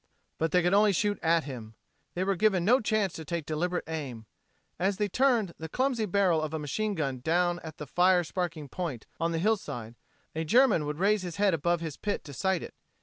But they could only shoot at him. They were given no chance to take deliberate aim. As they turned the clumsy barrel of a machine gun down at the fire sparking point on the hillside a German would raise his head above his pit to sight it.